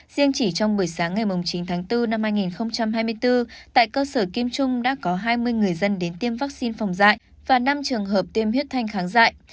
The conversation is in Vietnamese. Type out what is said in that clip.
riêng chỉ trong buổi sáng ngày chín tháng bốn năm hai nghìn hai mươi bốn tại cơ sở kim trung đã có hai mươi người dân đến tiêm vaccine phòng dạy và năm trường hợp tiêm huyết thanh kháng dại